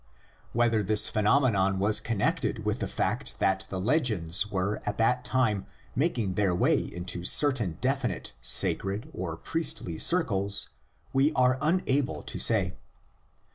Whether this phenomenon was connected with the fact that the legends were at that time making their way into certain definite "sacred" or "priestly" circles, we are unable to say.